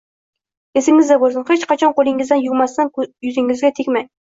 Esingizda bo'lsin: hech qachon qo'lingizni yuvmasdan yuzingizga tegmang!